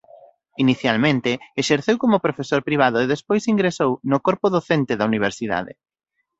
Inicialmente exerceu como profesor privado e despois ingresou no corpo docente da universidade.